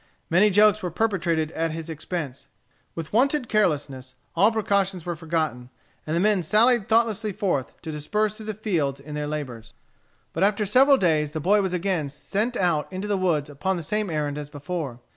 Many jokes were perpetrated at his expense. With wonted carelessness, all precautions were forgotten, and the men sallied thoughtlessly forth to disperse through the fields in their labors. But after several days, the boy was again sent out into the woods upon the same errand as before.